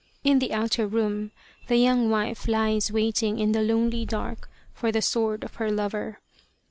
In the outer room the young wife lies waiting in the lonely dark for the sword of her lover.